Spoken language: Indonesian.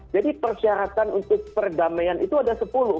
jadi persyaratan untuk perdamaian itu ada sepuluh